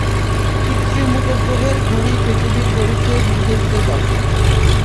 কৃত্রিম উপগ্রহের ঘড়ি পৃথিবীর ঘড়ির চেয়ে ধীরগতিতে চলে।